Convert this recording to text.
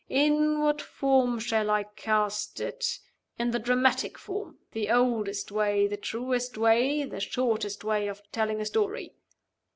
In what form shall I cast it? In the dramatic form the oldest way, the truest way, the shortest way of telling a story!